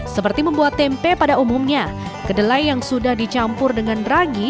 seperti membuat tempe pada umumnya kedelai yang sudah dicampur dengan ragi